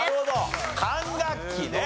管楽器ね。